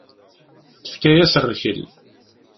Tefka-yas rrkel.